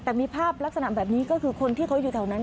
แต่มีภาพลักษณะแบบนี้ก็คือคนที่เขาอยู่แถวนั้น